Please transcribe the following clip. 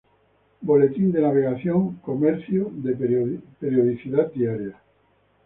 Boletín de Navegación, Comercio, de periodicidad diaria".